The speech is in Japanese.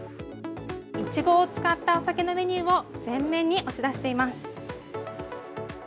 いちごを使ったお酒のメニューも全面に押し出しています。